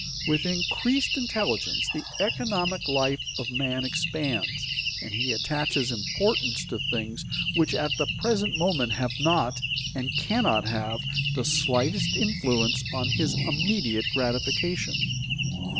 With increased intelligence the economic life of man expands, and he attaches importance to things which at the present moment have not, and cannot have, the slightest influence on his immediate gratification.